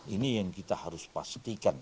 ini yang kita harus pastikan